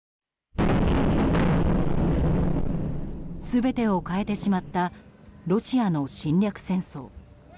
全てを変えてしまったロシアの侵略戦争。